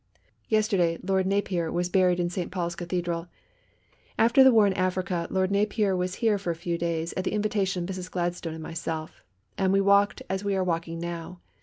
"Yesterday, Lord Napier was buried in St. Paul's Cathedral. After the war in Africa Lord Napier was here for a few days, at the invitation of Mrs. Gladstone and myself, and we walked as we are walking now.